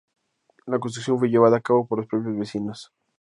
La construcción fue llevada a cabo por los propios vecinos.